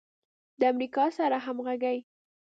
د امریکا سره همغږي